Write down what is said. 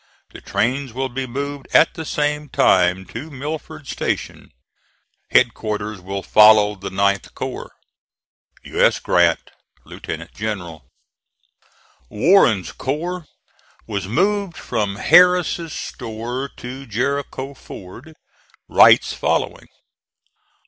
The trains will be moved at the same time to Milford Station. Headquarters will follow the 9th corps. U. S. GRANT, Lieut. General. Warren's corps was moved from Harris's Store to Jericho Ford, Wright's following.